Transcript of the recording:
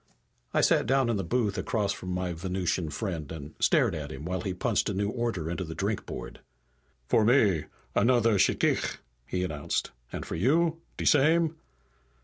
I sat down in the booth across from my Venusian friend, and stared at him while he punched a new order into the drinkboard. "For me, another shchikh," he announced. "And for you? De same?"